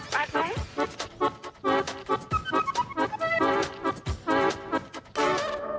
ไปไหม